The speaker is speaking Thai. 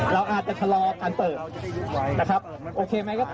เราอาจจะทะเลาาการเปิดโอเคไหมครับ